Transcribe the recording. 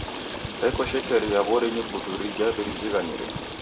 Reko shekeria w'orinyi putu rija w'irizighanire.